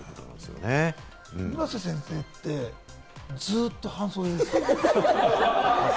村瀬先生って、ずっと半袖ですね。